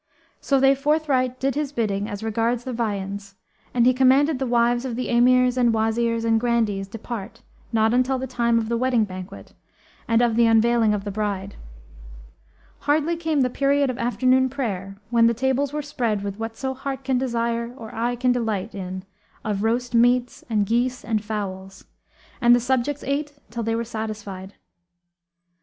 So they forthright did his bidding as regards the viands, and he commanded the wives of the Emirs and Wazirs and Grandees depart not until the time of the wedding banquet and of the unveiling of the bride. Hardly came the period of afternoon prayer when the tables were spread with whatso heart can desire or eye can delight in of roast meats and geese and fowls; and the subjects ate till they were satisfied.